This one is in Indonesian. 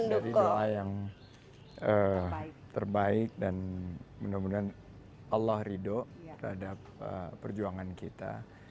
dari doa yang terbaik dan mudah mudahan allah ridho terhadap perjuangan kita